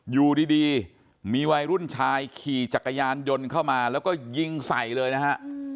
อยู่ดีมีวัยรุ่นชายขี่จักรยานยนต์เข้ามาแล้วก็ยิงใส่เลยนะฮะ